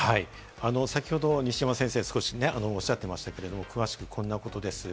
先ほど西山先生、少しおっしゃってましたが、詳しく、こんなことです。